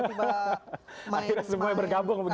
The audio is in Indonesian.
akhirnya semuanya bergabung begitu